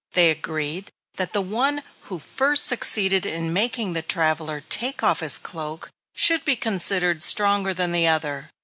They agreed that the one who first succeeded in making the traveler take his cloak off should be considered stronger than the other.